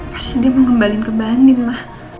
pasti dia mau ngembalin ke mbak andin ma